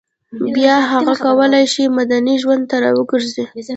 بیا هغه کولای شي مدني ژوند ته راوګرځي